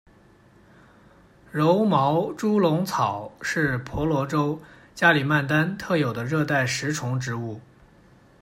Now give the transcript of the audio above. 柔毛猪笼草是婆罗洲加里曼丹特有的热带食虫植物。